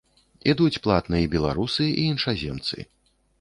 Ідуць платна і беларусы, і іншаземцы.